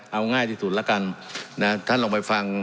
เอาง่ายที่สุดแล้วกันนะท่านลองไปฟัง